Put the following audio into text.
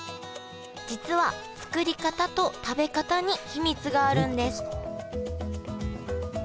実は作り方と食べ方に秘密があるんです